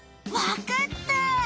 わかった！